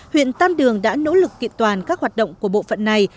huyện tam đường đã nỗ lực kiện toàn các hoạt động của bộ phận này